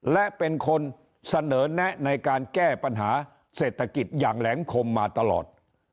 และเป็นคนเสนอแนะในการแก้ปัญหาเศรษฐกิจอย่างแหลงคมมาตลอด